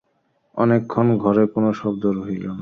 অনেকক্ষণ ঘরে কোনো শব্দ রহিল না।